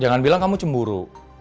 jangan bilang kamu cemburu